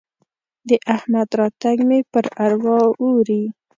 د احمد راتګ مې پر اروا اوري.